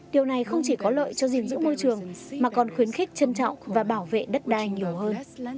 điều này không chỉ có lợi cho gìn giữ môi trường mà còn khuyến khích trân trọng và bảo vệ đất đai nhiều hơn